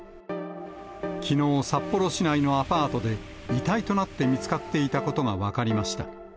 きのう札幌市内のアパートで、遺体となって見つかっていたことが分かりました。